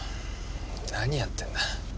何やってんだ？